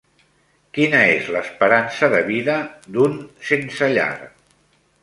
Quina és l'esperança de vida d'un sense llar?